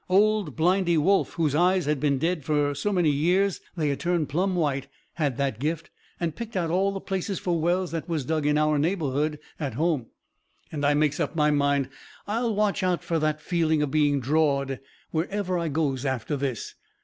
Old Blindy Wolfe, whose eyes had been dead fur so many years they had turned plumb white, had that gift, and picked out all the places fur wells that was dug in our neighbourhood at home. And I makes up my mind I will watch out fur that feeling of being drawed wherever I goes after this.